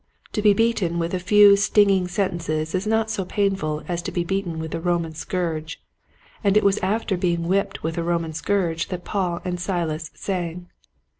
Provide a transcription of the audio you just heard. To be beaten with a few stinging sentences is not so painful as to be beaten with a Roman scourge, and it was after being whipped with a Roman scourge that Paul and Silas sang.